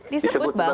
disebut bang beneran